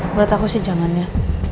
menurut aku sih jangan ya